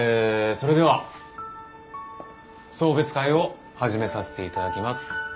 それでは送別会を始めさせていただきます。